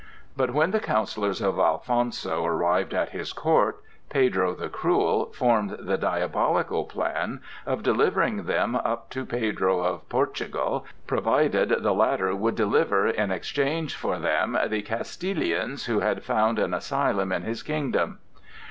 But when the counsellors of Alfonso arrived at his court, Pedro the Cruel formed the diabolical plan of delivering them up to Pedro of Portugal, provided the latter would deliver, in exchange for them, the Castilians who had found an asylum in his kingdom.